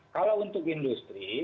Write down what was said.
kalau untuk industri